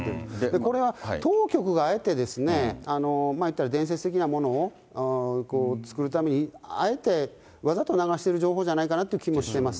これは当局があえてですね、いったら伝説的なものを作るために、あえてわざと流してる情報じゃないかなという気もしてます。